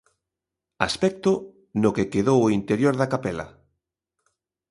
Aspecto no que quedou o interior da capela.